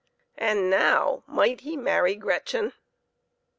And now might he marry Gretchen